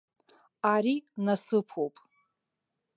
Ари насыԥуп.